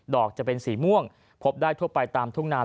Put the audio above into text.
อกจะเป็นสีม่วงพบได้ทั่วไปตามทุ่งนา